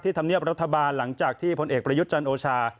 ธรรมเนียบรัฐบาลหลังจากที่พลเอกประยุทธ์จันทร์โอชา